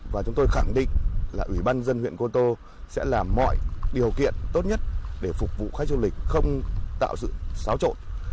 và chúng tôi khẳng định là ủy ban dân huyện côn sẽ làm mọi điều kiện tốt nhất để phục vụ khách du lịch không tạo sự xáo trộn